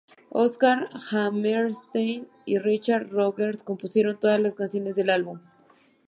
Oscar Hammerstein y Richard Rogers compusieron todas las canciones del álbum.